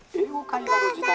お母さん。